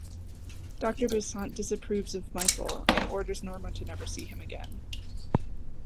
Doctor Besant disapproves of Michael and orders Norma to never see him again.